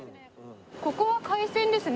ここは海鮮ですね。